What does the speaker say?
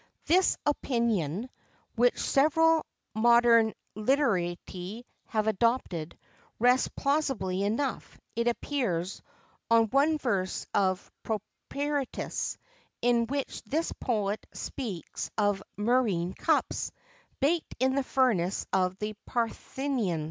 This opinion, which several modern _literati_[XXVII 37] have adopted, rests plausibly enough, it appears, on one verse of Propertius, in which this poet speaks of "Murrhine cups, baked in the furnace of the Parthians."